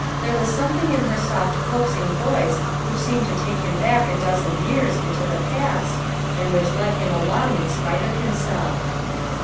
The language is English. There was something in her soft coaxing voice which seemed to take him back a dozen LONG STOKIES TO TELL. 129 years into the past, and which led him along in spite of himself.